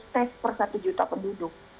tes per satu juta penduduk